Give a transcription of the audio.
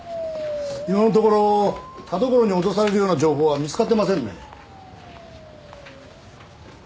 今のところ田所に脅されるような情報は見つかってませんね。